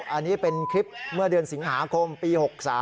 อันนี้เป็นคลิปเมื่อเดือนสิงหาคมปี๖๓